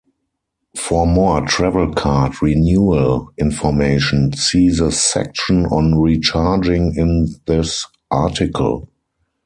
For more Travelcard renewal information, see the section on Recharging in this article.